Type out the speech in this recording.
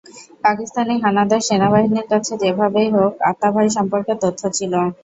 পাকিস্তানি হানাদার সেনাবাহিনীর কাছে যেভাবেই হোক আতা ভাই সম্পর্কে তথ্য ছিল।